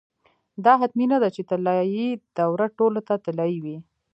دا حتمي نه ده چې طلايي دوره ټولو ته طلايي وي.